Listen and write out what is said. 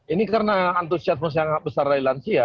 ini karena antusiasme yang besar dari lansia